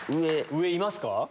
上いますか？